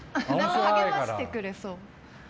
励ましてくれそう。